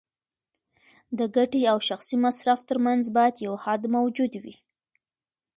د ګټې او شخصي مصرف ترمنځ باید یو حد موجود وي.